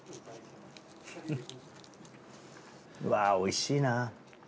うわおいしいな。